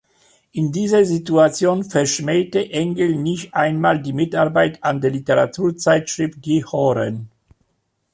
In dieser Situation verschmähte Engel nicht einmal die Mitarbeit an der Literaturzeitschrift „Die Horen“.